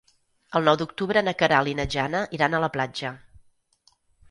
El nou d'octubre na Queralt i na Jana iran a la platja.